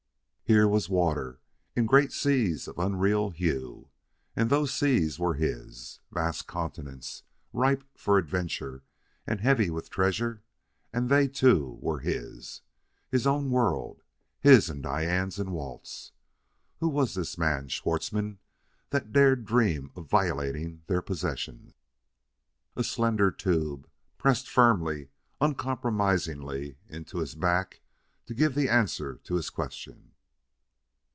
Here was water in great seas of unreal hue and those seas were his! Vast continents, ripe for adventure and heavy with treasure and they, too, were his! His own world his and Diane's and Walt's! Who was this man, Schwartzmann, that dared dream of violating their possessions? A slender tube pressed firmly, uncompromisingly, into his back to give the answer to his question.